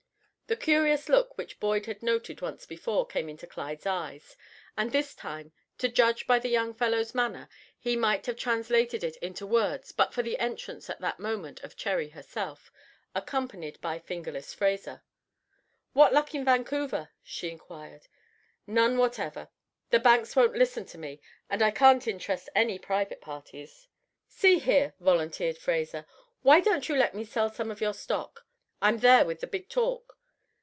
The curious look which Boyd had noted once before came into Clyde's eyes, and this time, to judge by the young fellow's manner, he might have translated it into words but for the entrance at that moment of Cherry herself, accompanied by "Fingerless" Fraser. "What luck in Vancouver?" she inquired, "None whatever. The banks won't listen to me and I can't interest any private parties." "See here," volunteered Fraser, "why don't you let me sell some of your stock? I'm there with the big talk."